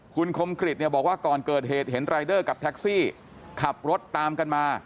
คุณคมกริจเนี่ยบอกว่าก่อนเกิดเหตุเห็นรายเดอร์กับแท็กซี่ขับรถตามกันมา